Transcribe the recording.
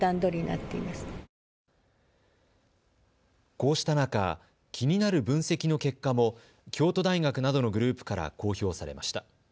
こうした中、気になる分析の結果も京都大学などのグループから公表されました。